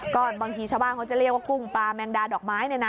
ก็บางทีชาวบ้านเขาจะเรียกว่ากุ้งปลาแมงดาดอกไม้เนี่ยนะ